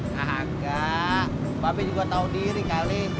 nggak babe juga tau diri kali